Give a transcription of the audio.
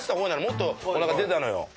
もっとおなか出てたのよ。